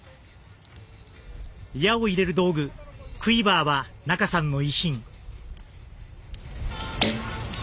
矢を入れる道具、クイバーは仲さんの遺品。